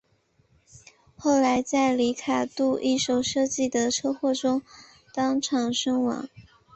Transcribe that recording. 后来在里卡度一手设计的车祸中当场身亡。